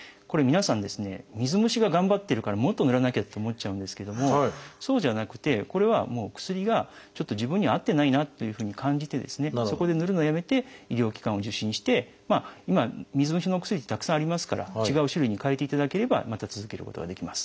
水虫が頑張ってるからもっとぬらなきゃって思っちゃうんですけどもそうじゃなくてこれはもう薬がちょっと自分には合ってないなというふうに感じてそこでぬるのをやめて医療機関を受診して今水虫のお薬ってたくさんありますから違う種類にかえていただければまた続けることができます。